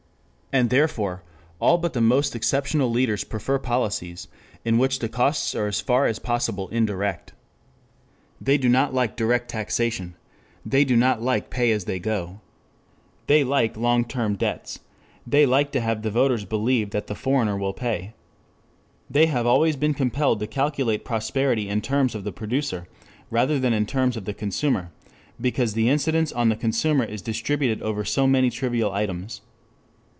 And therefore, all but the most exceptional leaders prefer policies in which the costs are as far as possible indirect. They do not like direct taxation. They do not like to pay as they go. They like long term debts. They like to have the voters believe that the foreigner will pay. They have always been compelled to calculate prosperity in terms of the producer rather than in terms of the consumer, because the incidence on the consumer is distributed over so many trivial items.